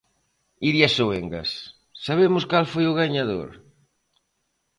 Iria Soengas, sabemos cal foi o gañador?